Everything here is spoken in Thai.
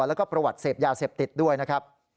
แล้วก็ประวัติเสพยาเสพติดด้วยนะครับ